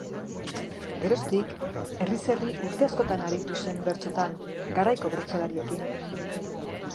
Geroztik herriz herri urte askotan aritu zen bertsotan garaiko bertsolariekin.